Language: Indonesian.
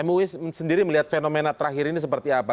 mui sendiri melihat fenomena terakhir ini seperti apa